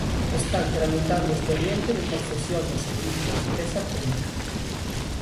Están tramitando o expediente de concesión do servizo de limpeza pública.